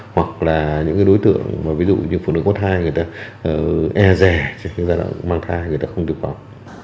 hoặc là những đối tượng ví dụ như phụ nữ có thai người ta e rè mang thai người ta không tiêm phòng